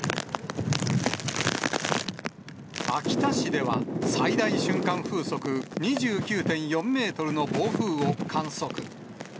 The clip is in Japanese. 秋田市では、最大瞬間風速２９．４メートルの暴風を観測。